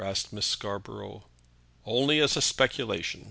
asked Miss Scarborough. "Only as a speculation.